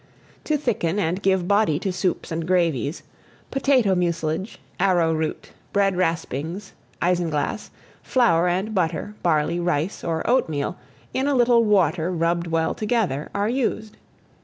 To thicken and give body to soups and gravies, potato mucilage, arrow root, bread raspings, isinglass, flour and butter, barley, rice, or oatmeal, in a little water rubbed well together, are used.